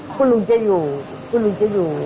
คุณลุงจะอยู่คุณลุงจะอยู่